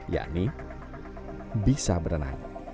yakni bisa berenang